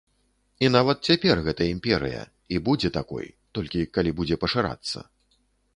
І нават цяпер гэта імперыя, і будзе такой, толькі калі будзе пашырацца.